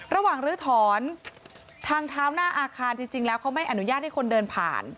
ลื้อถอนทางเท้าหน้าอาคารจริงแล้วเขาไม่อนุญาตให้คนเดินผ่าน